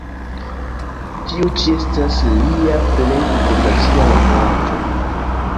Tiu ĉi estas lia plej internacia laboraĵo.